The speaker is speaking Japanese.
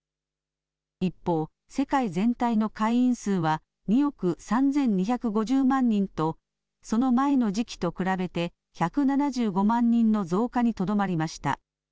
一方、世界全体の会員数は２億３２５０万人とその前の時期と比べて１７５万人の増加にとどまりました。